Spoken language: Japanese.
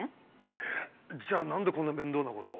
えっじゃあ何でこんな面倒なことを？